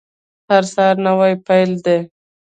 هر سهار نوی پیل دی